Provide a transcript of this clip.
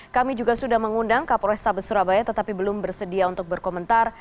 kami juga sudah mengundang kapolres tabes surabaya tetapi belum bersedia untuk berkomentar